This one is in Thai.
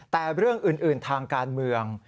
แต่เรื่องอื่นทางการเมือง